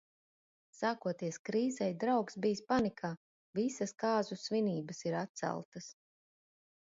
Sākoties krīzei, draugs bijis panikā – visas kāzu svinības ir atceltas.